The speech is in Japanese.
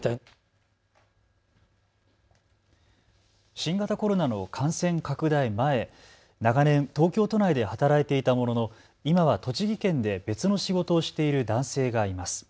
新型コロナの感染拡大前、長年、東京都内で働いていたものの今は栃木県で別の仕事をしている男性がいます。